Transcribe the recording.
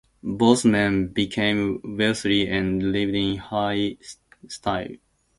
Both men became wealthy and lived in high style.